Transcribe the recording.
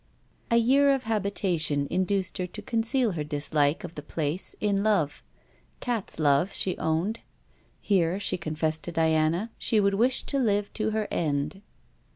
A year of habitation induced her to conceal her dislike of the place in love: cat's love, she owned. Here, she confessed to Diana, she would wish to live to her end.